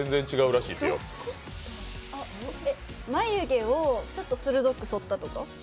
えっ、眉毛をちょっと鋭く剃ったとか？